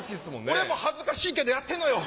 俺も恥ずかしいけどやってんのよ。